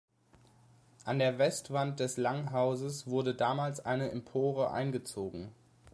An der Westwand des Langhauses wurde damals eine Empore eingezogen.